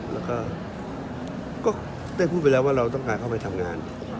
แล้วก็ได้พูดไปแล้วว่าเราต้องการเข้าไปทำงาน